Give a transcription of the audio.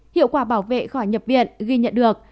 hiệu quả bảo vệ khỏi nhập viện ghi nhận được